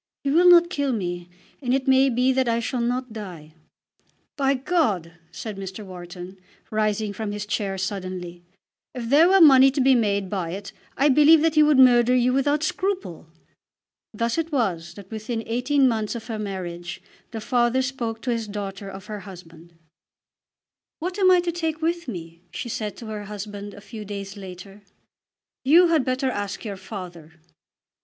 He will not kill me, and it may be that I shall not die." "By God!" said Mr. Wharton, rising from his chair suddenly, "if there were money to be made by it, I believe that he would murder you without scruple." Thus it was that within eighteen months of her marriage the father spoke to his daughter of her husband. "What am I to take with me?" she said to her husband a few days later. "You had better ask your father."